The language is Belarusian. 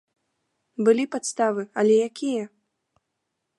Былі падставы, але якія?